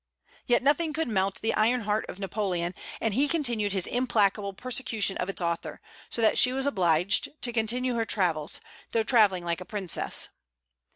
Yet nothing could melt the iron heart of Napoleon, and he continued his implacable persecution of its author, so that she was obliged to continue her travels, though travelling like a princess.